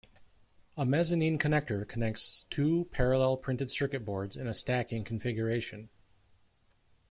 A mezzanine connector connects two parallel printed circuit boards in a stacking configuration.